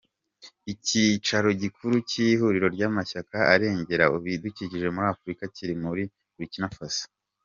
Icyicaro gikuru cy’Ihuriro ry’amashyaka arengera ibidukikije muri Afurika kiri muri Burkina Faso.